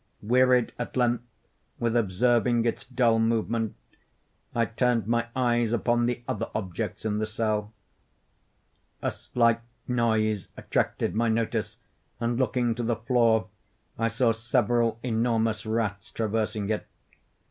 Wearied at length with observing its dull movement, I turned my eyes upon the other objects in the cell. A slight noise attracted my notice, and, looking to the floor, I saw several enormous rats traversing it.